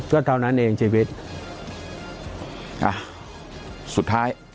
ก็เท่านั้นเองชีวิตอ่ะสุดท้าย